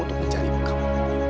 untuk mencari ibu kamu